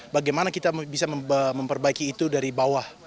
bagaimana kita bisa memperbaiki itu dari bawah